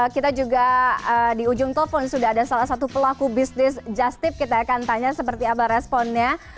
kita juga di ujung telepon sudah ada salah satu pelaku bisnis justip kita akan tanya seperti apa responnya